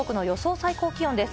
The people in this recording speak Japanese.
最高気温です。